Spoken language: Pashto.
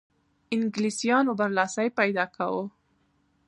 انګلیسیانو برلاسی پیدا کاوه.